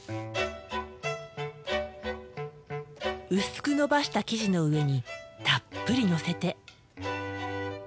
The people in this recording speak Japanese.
薄くのばした生地の上にたっぷりのせて。